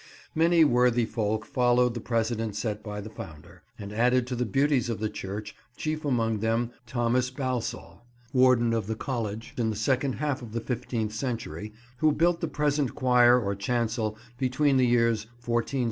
Many worthy folk followed the precedent set by the founder, and added to the beauties of the church; chief among them Thomas Balsall, Warden of the College in the second half of the fifteenth century, who built the present choir or chancel between the years 1465–1490.